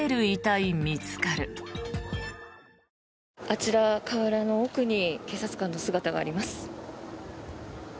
あちら、河原の奥に警察官の姿があります。